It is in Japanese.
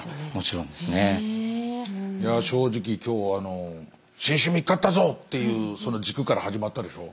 正直今日新種見っかったぞっていう軸から始まったでしょ。